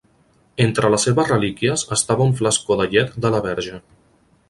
Entre les seves relíquies estava un flascó de llet de la Verge.